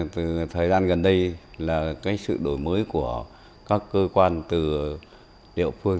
từ thời gian gần đây là sự đổi mới của các cơ quan từ địa phương